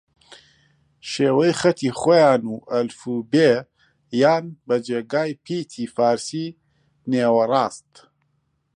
شێوەی خەتی خویان و ئەلفوبێ یان بە جێگای پیتی فارسی نێوەڕاست